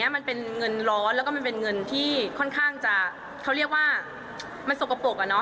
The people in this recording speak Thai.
มันเป็นเงินร้อนแล้วก็มันเป็นเงินที่ค่อนข้างจะเขาเรียกว่ามันสกปรก